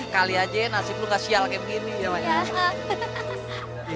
kali aja nasib lu gak sial kayak begini ya mak